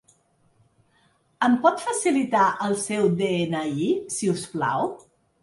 Em pot facilitar el seu de-ena-i, si us plau?